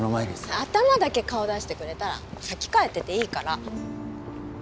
頭だけ顔出してくれたら先帰ってていいから